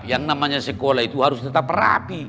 yang namanya sekolah itu harus tetap rapi